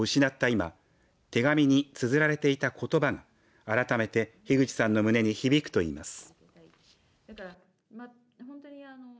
今手紙につづられていたことばが改めて樋口さんの胸に響くといいます。